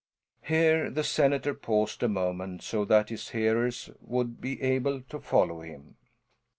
Here the senator paused a moment so that his hearers would be able to follow him.